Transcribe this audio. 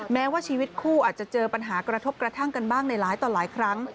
แม้ว่าชีวิตคู่อาจจะเจอปัญหากระทบกระทั่งกันบ้างในหลายต่อหลายครั้ง